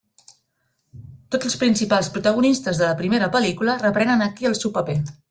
Tots els principals protagonistes de la primera pel·lícula reprenen aquí el seu paper.